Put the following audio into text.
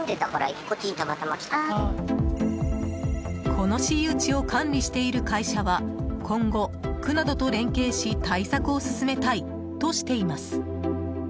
この私有地を管理している会社は、今後区などと連携し対策を進めたいとしています。